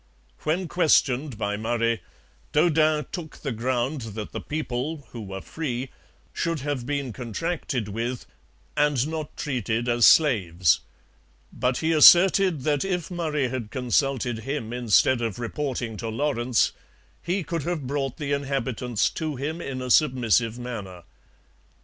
When questioned by Murray, Daudin took the ground that the people, who were free, should have been contracted with, and not treated as slaves; but he asserted that if Murray had consulted him instead of reporting to Lawrence, he could have brought the inhabitants to him in a submissive manner.